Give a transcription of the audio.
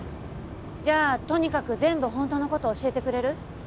じゃあとにかく全部ホントのこと教えてくれる？